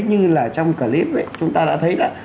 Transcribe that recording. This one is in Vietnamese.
như là trong clip ấy chúng ta đã thấy